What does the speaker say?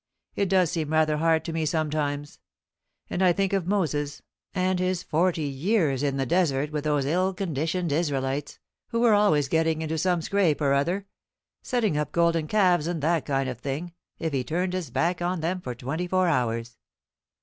It does seem rather hard to me sometimes; and I think of Moses, and his forty years in the Desert with those ill conditioned Israelites, who were always getting into some scrape or other setting up golden calves, and that kind of thing if he turned his back on them for twenty four hours.